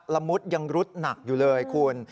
มุดยังรุดหนักอยู่เลยคุณ